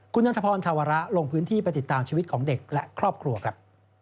คุณนันทพรธาวระลงพื้นที่ไปติดตามชีวิตของเด็กและครอบครัวครับ